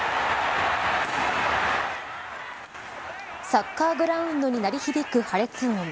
サッカーグラウンドに鳴り響く破裂音。